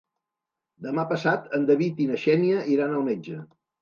Demà passat en David i na Xènia iran al metge.